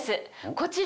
こちら。